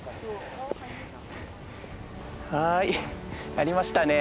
はいやりましたね。